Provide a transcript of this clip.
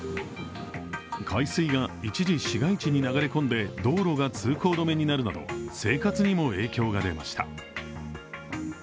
海水が一時、市街地に流れ込んで道路が通行止めになるなど生活にも影響が出ました。